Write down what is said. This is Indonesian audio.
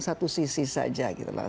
satu sisi saja gitu mas